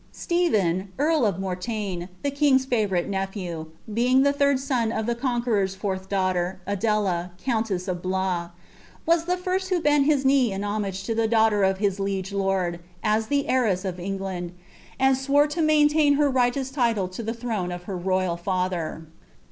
Stephen earl of Moriagne, the king's favourite nephew, (being lh« thtnl son of the Conqueror's fourth daughter, Adela, countess of Btois,) wis the lirat who bent his knee in homage to the daughter of his li^e lut^ as the heiress of England, and swore lo maintain her lighleous title la the throne of her royal father.